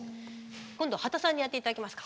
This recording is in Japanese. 今度は刄田さんにやって頂きますか。